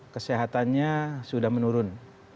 kesehatannya sudah menurun